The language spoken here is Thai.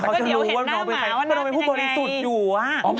ก็เดี๋ยวเห็นหน้าหมาว่าน่าเป็นยังไง